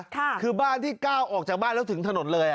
มาหาบ้านที่เป็นร้านเกล้าออกจากบ้านแล้วถึงถนนเลย